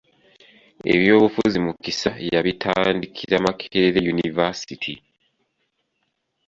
Ebyobufuzi Mukisa yabitandikira Makerere yunivaasite.